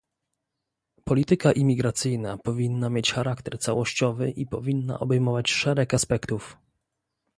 Polityka imigracyjna powinna mieć charakter całościowy i powinna obejmować szereg aspektów